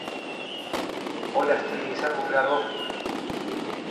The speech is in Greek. Όλοι αυτοί ήσαν βουλγαρόφιλοι